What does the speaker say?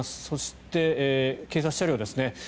そして警察車両ですね。